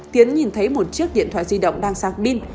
tiến nhìn thấy một chiếc điện thoại di động đang sạc pin